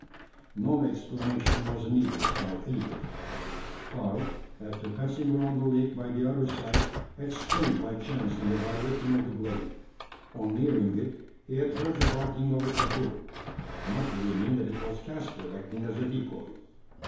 No explanation was needed by either. Karl, after passing round the lake by the other side, had strayed by chance in the direction of the glade. On nearing it, he had heard the barking of a kakur not dreaming that it was Caspar acting as a decoy.